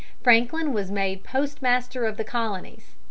] In 1753 Franklin was made postmaster of the Colonies.